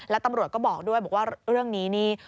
แล้วตำรวจก็บอกด้วยบอกว่าเรื่องนี้นี่